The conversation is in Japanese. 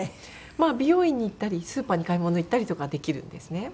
美容院に行ったりスーパーに買い物行ったりとかはできるんですね。